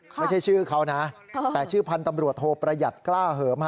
ไม่ใช่ชื่อเขานะแต่ชื่อพันธ์ตำรวจโทประหยัดกล้าเหิม